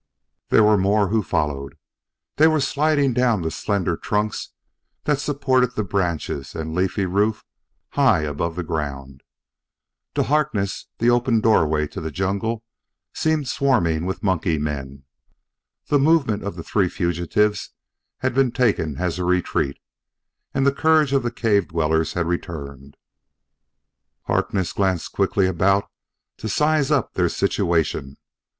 There were more who followed. They were sliding down the slender trunks that supported the branches and leafy roof high above the ground. To Harkness the open doorway to the jungle seemed swarming with monkey men. The movement of the three fugitives had been taken as a retreat, and the courage of the cave dwellers had returned. Harkness glanced quickly about to size up their situation.